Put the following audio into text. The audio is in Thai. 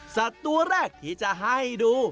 สัตว์ตัวแรกที่จะให้ดู